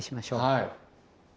はい。